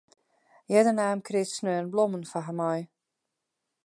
Earder naam Chris saterdeis blommen foar har mei.